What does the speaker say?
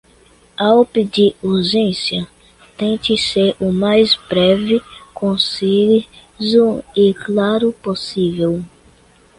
Ao pedir urgência, tente ser o mais breve, conciso e claro possível.